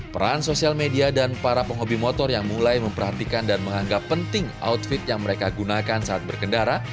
peran sosial media dan para penghobi motor yang mulai memperhatikan dan menganggap penting outfit yang mereka gunakan saat berkendara